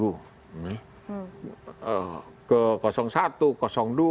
tidak ada yang ragu ragu